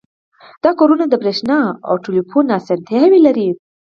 دا کورونه د بریښنا او ټیلیفون اسانتیاوې لري